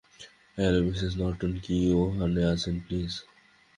Hello, Mrs Norton কি ওখানে আছেন, প্লিজ?